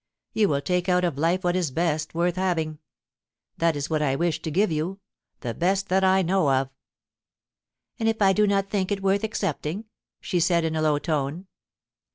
You will take out of life what is best worth having. That is what I wish to give you — the best that I know oV * And if I do not think it worth accepting ?' she said in a low tone.